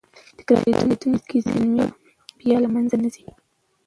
تکرارېدونکې زېرمې بیا له منځه نه ځي.